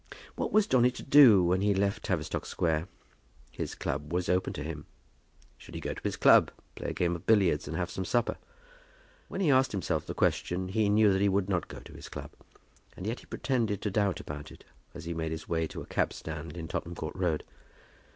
What was Johnny to do, when he left Tavistock Square? His club was open to him. Should he go to his club, play a game of billiards, and have some supper? When he asked himself the question he knew that he would not go to his club, and yet he pretended to doubt about it, as he made his way to a cabstand in Tottenham Court Road.